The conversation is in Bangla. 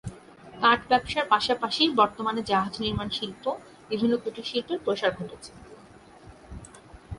কাঠ ব্যবসার পাশাপাশি বর্তমানে জাহাজ নির্মাণ শিল্প, বিভিন্ন কুটির শিল্পের প্রসার ঘটেছে।